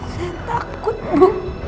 saya takut bu